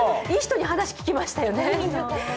いい人に話聞きましたよね。